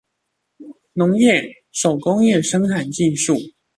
農業、手工業生產技術